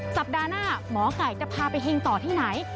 สัปดาห์หน้าหมอไก่จะพาไปเฮงต่อที่ไหน